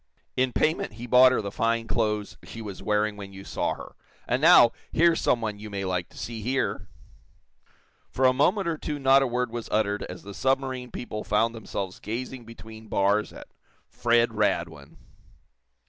In payment he bought her the fine clothes she was wearing when you saw her. And now, here's some one you may like to see here!" For a moment or two not a word was uttered as the submarine people found themselves gazing between bars at Fred Radwin.